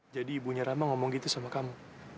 jadi ibunya rama ngomong gitu sama kamu